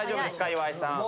岩井さん。